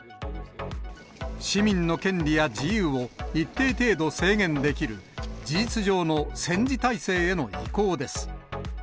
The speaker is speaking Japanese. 市民の権利や自由を一定程度制限できる、事実上の戦時体制への移行です。